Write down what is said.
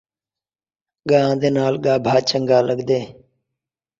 پرائی ڳاں دا آلھا وݙا، بھانویں ہووس نکا چݙا